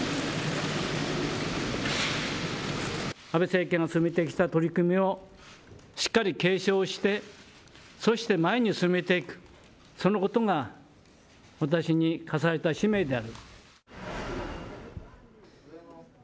安倍政権が進めてきた取り組みをしっかり継承して、そして前に進めていく、そのことが私に課された使命であります。